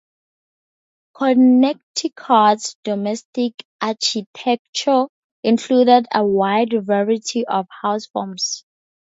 Connecticut's domestic architecture included a wide variety of house forms.